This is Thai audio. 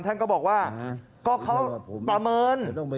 ท่านก็บอกว่าก็เขาประเมิน